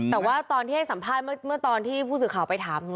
แต่ว่าตอนที่ให้สัมภาษณ์เมื่อตอนที่ผู้สื่อข่าวไปถาม